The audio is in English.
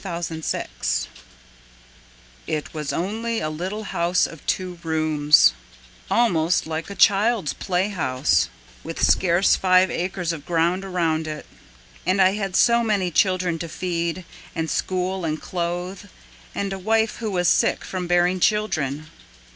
Felix Schmidt It was only a little house of two rooms— Almost like a child's play house— With scarce five acres of ground around it; And I had so many children to feed And school and clothe, and a wife who was sick From bearing children.